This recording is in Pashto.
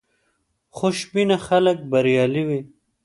خوشبینه خلک بریالي وي.